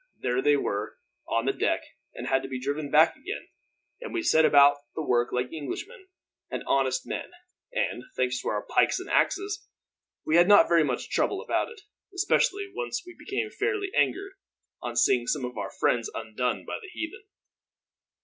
There they were on the deck, and had to be driven back again; and we set about the work like Englishmen and honest men and, thanks to our pikes and axes, we had not very much trouble about it; especially when we once became fairly angered, on seeing some of our friends undone by the heathen.